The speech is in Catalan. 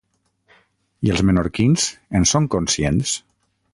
I els menorquins, en són conscients?